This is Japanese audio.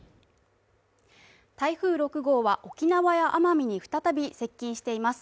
台風６号は沖縄や奄美に再び接近しています。